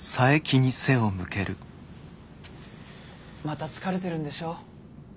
また疲れてるんでしょう？